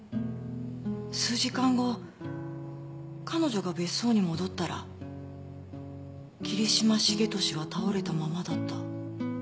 数時間後彼女が別荘に戻ったら桐島重利は倒れたままだった。